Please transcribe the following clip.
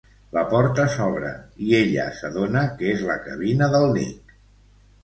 La porta s'obre i ella s'adona que és la cabina del Nick.